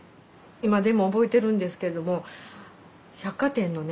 今でも覚えてるんですけども百貨店のね